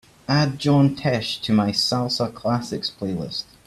Add John Tesh to my salsa classics playlist